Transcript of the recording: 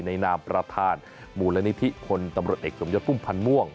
นามประธานมูลนิธิคนตำรวจเอกสมยศพุ่มพันธ์ม่วง